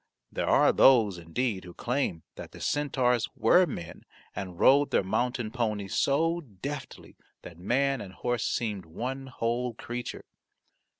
There are those, indeed, who claim that the centaurs were men and rode their mountain ponies so deftly that man and horse seemed one whole creature.